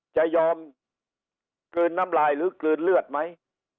จะยอมกลืนน้ำลายหรือกลืนเลือดไหม